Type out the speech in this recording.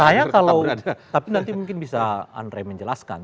sayang kalau tapi nanti mungkin bisa andre menjelaskan